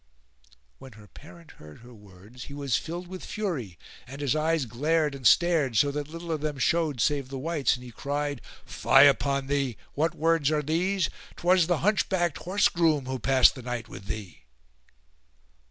When her parent heard her words he was filled with fury, and his eyes glared and stared, so that little of them showed save the whites and he cried, "Fie upon thee! What words are these? 'Twas the hunchbacked horse groom who passed the night with thee!"